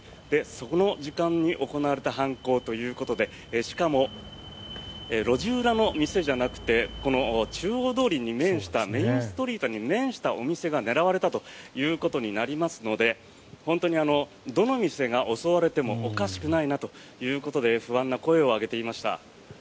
その時間に行われた犯行ということでしかも路地裏の店じゃなくて中央通りに面したメインストリートに面したお店が狙われたということになりますので本当に、どの店が襲われてもおかしくないなということで不安の声を上げていました。